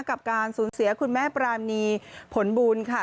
กับการสูญเสียคุณแม่ปรานีผลบุญค่ะ